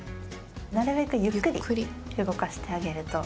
なるべくゆっくり動かしてあげると。